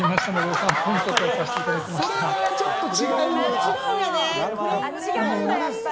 それは、ちょっと違うんだ。